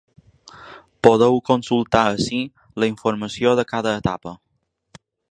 Podeu consultar ací la informació de cada etapa.